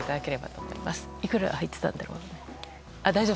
いくら入ってたんだろう。